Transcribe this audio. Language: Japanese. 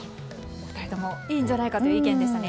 お二人ともいいんじゃないかという意見でした。